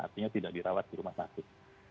artinya tidak dirawat di rumah sakit